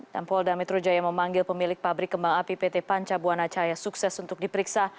tampol damitru jaya memanggil pemilik pabrik kembang api pt panca buanacaya sukses untuk diperiksa